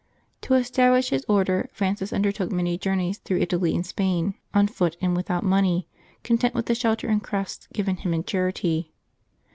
To establish his Order, Francis undertook many journeys through Italy and Spain, on foot and without money, con tent with the shelter and crusts given him in charity.